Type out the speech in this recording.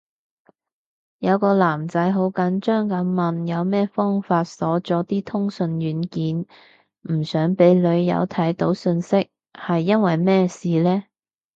有個男仔好緊張噉問有咩方法鎖咗啲通訊軟件，唔想俾女友睇到訊息，係因為咩事呢？